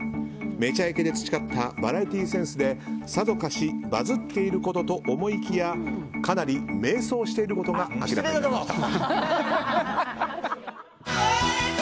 「めちゃイケ」で培ったバラエティーセンスでさぞかしバズっていることと思いきやかなり迷走していることが明らかになりました。